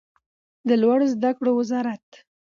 د لوړو زده کړو وزارت